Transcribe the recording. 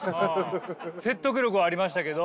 説得力はありましたけど。